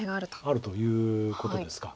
あるということですか。